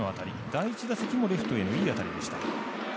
第１打席もレフトへのいい当たりでした。